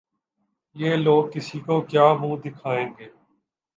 یہ لوگ کسی کو کیا منہ دکھائیں گے؟